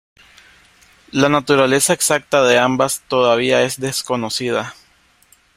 La naturaleza exacta de ambas todavía es desconocida.